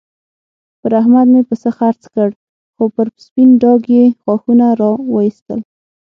پر احمد مې پسه خرڅ کړ؛ خو پر سپين ډاګ يې غاښونه را واېستل.